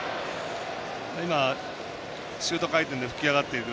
シュート回転で浮き上がっている。